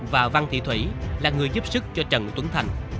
và văn thị thủy là người giúp sức cho trần tuấn thành